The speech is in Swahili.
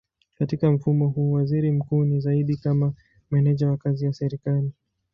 Katika mfumo huu waziri mkuu ni zaidi kama meneja wa kazi ya serikali.